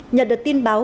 nhận được tin báo